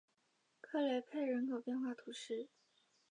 克雷佩人口变化图示